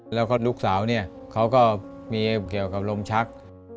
แล้วก็ลูกสาวเนี่ยเขาก็มีเกี่ยวกับลมชัก